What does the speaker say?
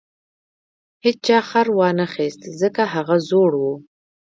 هیچا خر ونه خیست ځکه هغه زوړ و.